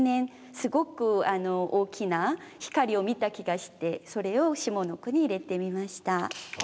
すごく大きな光を見た気がしてそれを下の句に入れてみました。